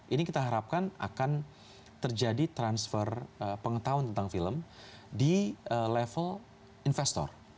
ini kita harapkan akan terjadi transfer pengetahuan tentang film di level investor